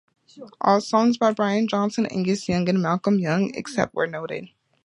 All songs by Brian Johnson, Angus Young and Malcolm Young except where noted.